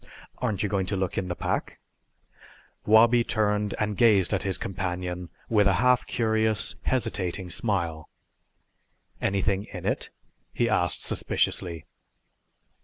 "Aren't you going to look in the pack?" Wabi turned and gazed at his companion with a half curious hesitating smile. "Anything in it?" he asked suspiciously.